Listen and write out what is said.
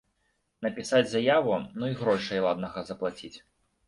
Напісаць заяву, ну й грошай ладнага заплаціць.